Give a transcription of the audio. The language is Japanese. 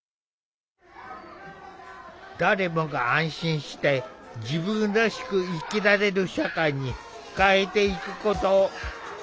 誰もが安心して自分らしく生きられる社会に変えていくこと。